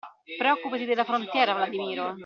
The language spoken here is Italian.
Preoccupati della frontiera, Vladimiro!